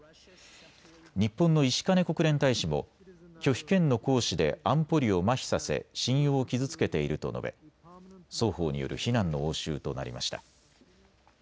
日本の石兼国連大使も拒否権の行使で安保理をまひさせ信用を傷つけていると述べ、双方による非難の応酬となりました。